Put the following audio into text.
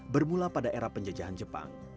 bermula pada era penjajahan jepang